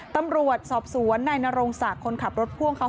ตำรวจสอบสวนนายนรงศักดิ์คนขับรถพ่วงเขา